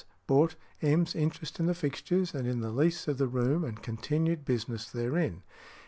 bought M.'s interest in the fixtures and in the lease of the room, and continued business therein.